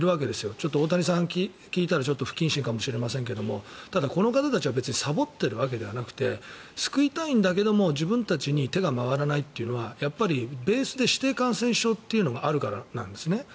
ちょっと大谷さん聞いたら不謹慎かもしれないけどただ、この方たちは別にさぼってるわけではなくて救いたいんだけども自分たちに手が回らないというのはやっぱりベースで指定感染症というのがあるからなんですね。